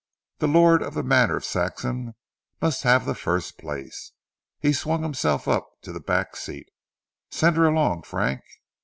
The Lord of the Manor of Saxham must have the first place." He swung himself up to the back seat, "send her along Frank."